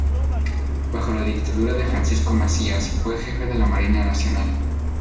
Bajo la dictadura de Francisco Macías fue jefe de la Marina Nacional.